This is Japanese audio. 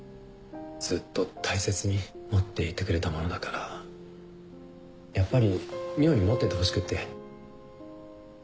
ずっと大切に持っていてくれたものだからやっぱり海音に持っててほしくって。